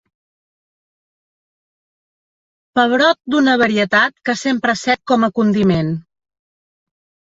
Pebrot d'una varietat que s'empra sec com a condiment.